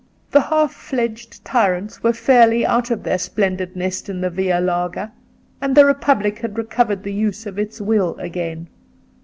The half fledged tyrants were fairly out of their splendid nest in the Via Larga, and the Republic had recovered the use of its will again.